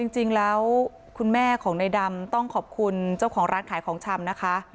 จริงแล้วคุณแม่ของในดำต้องขอบคุณเจ้าของร้านขายของชำนะคะ